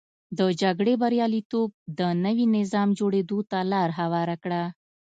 د جګړې بریالیتوب د نوي نظام جوړېدو ته لار هواره کړه.